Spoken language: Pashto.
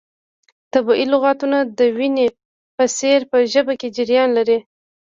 طبیعي لغتونه د وینو په څیر په ژبه کې جریان لري.